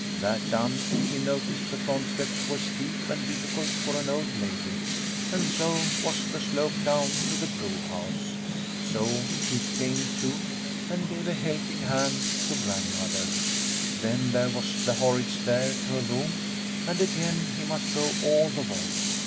That done, he noticed the front steps were steep and diffi cult for an old lady and so was the slope down to the brewhouse. So he came too, and gave a helping hand to grandmother. Then there was the horrid stair to her room, and again he must go all the way.